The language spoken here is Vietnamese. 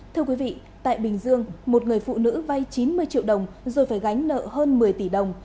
thưa quý vị tại bình dương một người phụ nữ vay chín mươi triệu đồng rồi phải gánh nợ hơn một mươi tỷ đồng